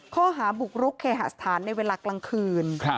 ข้อหาบุกรุกเคหาสถานในเวลากลางคืน